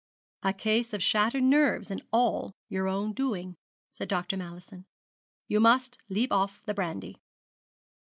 'A case of shattered nerves, and all your own doing,' said Dr. Mallison. 'You must leave off brandy.'